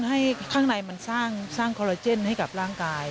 ให้ข้างในมันสร้างคอลลาเจนให้กับร่างกาย